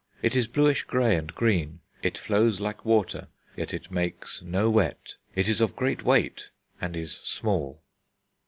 It is bluish grey and green.... It flows like water, yet it makes no wet; it is of great weight, and is small."